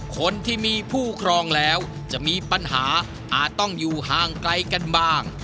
คนที่มีผู้ครองแล้วจะมีปัญหาอาจต้องอยู่ห่างไกลกันบ้าง